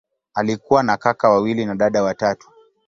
Alikuwa na kaka wawili na dada watatu.